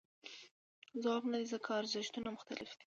ځواب نه دی ځکه ارزښتونه مختلف دي.